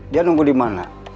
dia nunggu di mana